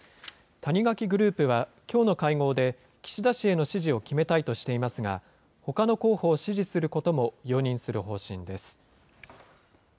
谷垣グループは、きょうの会合で、岸田氏への支持を決めたいとしていますが、ほかの候補を支持することも容認する方針です。